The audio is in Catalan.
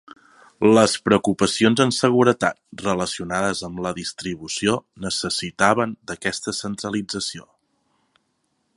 Les preocupacions en seguretat relacionades amb la distribució necessitaven d'aquesta centralització.